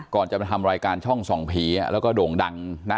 ก่อนจะมาทำรายการช่องส่องผีแล้วก็โด่งดังนะ